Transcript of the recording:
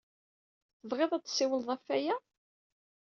Tebɣid ad d-tessiwled ɣef waya?